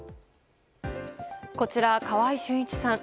こちら、川合俊一さん。